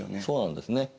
そうなんですね。